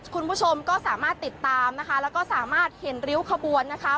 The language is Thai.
คุณผู้ชมก็สามารถติดตามนะคะแล้วก็สามารถเห็นริ้วขบวนนะคะ